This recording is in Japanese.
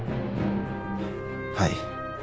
はい。